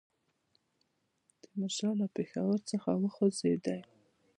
تیمورشاه له پېښور څخه وخوځېدی.